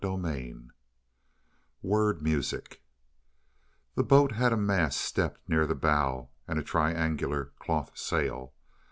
CHAPTER XXX WORD MUSIC The boat had a mast stepped near the bow, and a triangular cloth sail.